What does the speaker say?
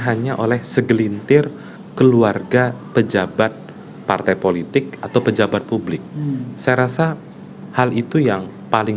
hanya oleh segelintir keluarga pejabat partai politik atau pejabat publik saya rasa hal itu yang paling